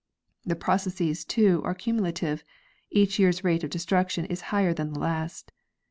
The processes, too, are cumulative ; each year's rate of destruc tion is higher than the last.